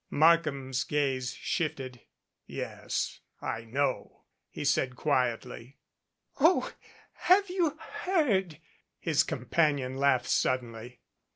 Markham's gaze shifted. "Yes, I know," he said quietly. "Oh, have you heard?" his companion laughed sud idenly.